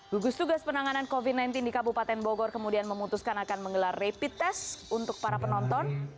gugus tugas penanganan covid sembilan belas di kabupaten bogor kemudian memutuskan akan menggelar rapid test untuk para penonton